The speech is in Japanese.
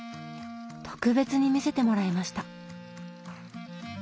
特別に見せてもらいました！